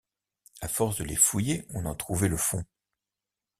À force de les fouiller, on en trouvait le fond.